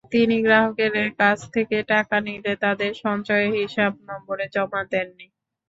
তিনি গ্রাহকের কাছ থেকে টাকা নিলে তাঁদের সঞ্চয় হিসাব নম্বরে জমা দেননি।